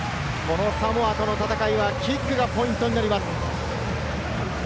サモアとの戦いはキックがポイントになります。